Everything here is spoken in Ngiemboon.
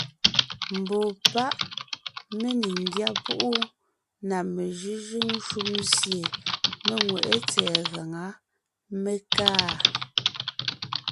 Mbɔɔ páʼ mé ne ńgyá púʼu na mejʉ́jʉ́ŋ shúm sie mé ŋweʼé tsɛ̀ɛ gaŋá, mé kaa.